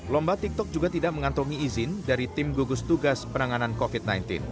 lomba tiktok juga tidak mengantongi izin dari tim gugus tugas penanganan covid sembilan belas